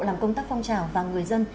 làm công tác phong trào và người dân